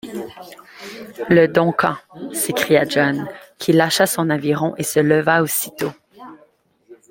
Le Duncan! s’écria John, qui lâcha son aviron et se leva aussitôt.